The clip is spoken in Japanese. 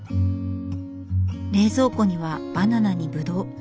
冷蔵庫にはバナナにブドウ。